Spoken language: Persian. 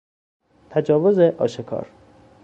تجاوز آشکار